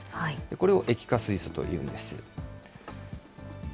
これを液化水素というんです。